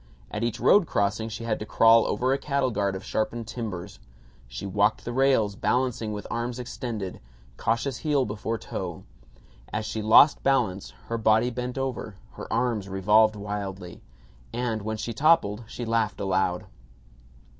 At each road crossing she had to crawl over a cattle guard of sharpened timbers. She walked the rails, balancing with arms extended, cautious heel before toe. As she lost balance her body bent over, her arms revolved wildly, and when she toppled she laughed aloud.